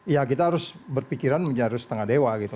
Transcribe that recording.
ya kita harus berpikiran menjadi setengah dewa gitu